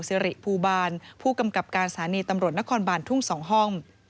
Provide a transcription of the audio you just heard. สิริภูบาลผู้กำกับการสถานีตำรวจนครบานทุ่ง๒ห้อง